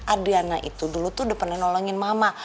adriana itu dulu tuh udah pernah nolongin mama